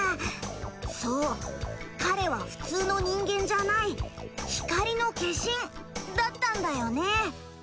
そう彼は普通の人間じゃない光の化身だったんだよね。